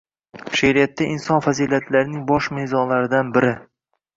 She’riyatida inson fazilatlarining bosh mezonlaridan biri.